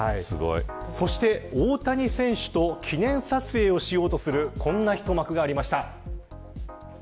そして、大谷選手と記念撮影をしようとするこんな一幕がありました。